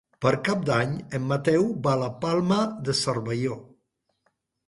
Per Cap d'Any en Mateu va a la Palma de Cervelló.